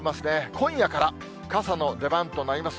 今夜から傘の出番となります。